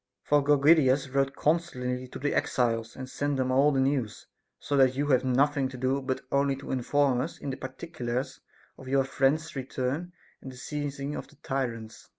For Gorgidas wrote constantly to the exiles, and sent them all the news ; so that you have nothing to do but only to in form us in the particulars of your friends' return and the seizing of the tyrants.